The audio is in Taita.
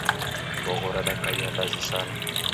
Mbogho radakaia ndazi sana